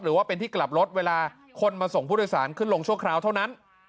หรือว่าเป็นที่กลับรถเวลาคนมาส่งผู้โดยสารขึ้นลงชั่วคราวเท่านั้น